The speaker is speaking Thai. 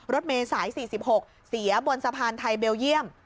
รถเมย์สาย๔๖เสียบนสะพานไทยเบลเยี่ยม